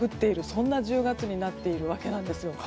そんな１０月になっているわけなんですよ。